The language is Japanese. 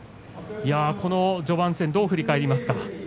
この序盤戦どう振り返りますか。